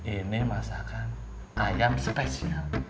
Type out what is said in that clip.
ini masakan ayam spesial